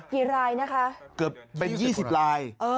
กี่รายนะคะเกือบเป็น๒๐ราย